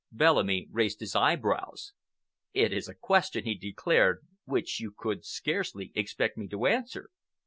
Bellamy raised his eyebrows. "It is a question," he declared, "which you could scarcely expect me to answer."